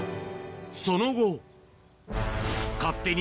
その後。